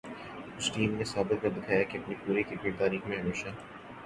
اس team نے ثابت کر دکھایا کہ اپنی پوری کرکٹ تاریخ میں ہمیشہ